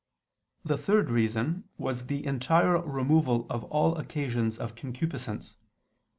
The third reason was the entire removal of all occasions of concupiscence.